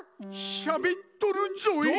しゃべっとるぞい。